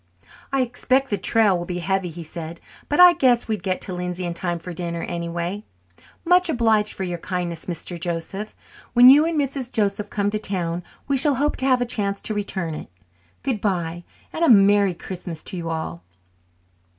"I expect the trail will be heavy," he said, "but I guess we'd get to Lindsay in time for dinner, anyway. Much obliged for your kindness, Mr. Joseph. When you and Mrs. Joseph come to town we shall hope to have a chance to return it. Good bye and a merry Christmas to you all."